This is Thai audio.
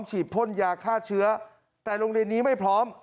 ฉีดพ่นยาฆ่าเชื้อแต่โรงเรียนนี้ไม่พร้อม